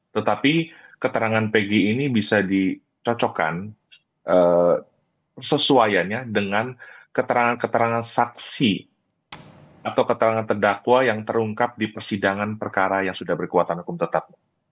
tetapi keterangan pg ini bisa dicocokkan sesuaiannya dengan keterangan keterangan saksi atau keterangan terdakwa yang terungkap di persidangan perkara yang sudah berkuatan hukum tetap